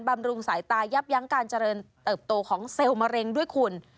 ำรุงสายตายับยั้งการเจริญเติบโตของเซลล์มะเร็งด้วยคุณ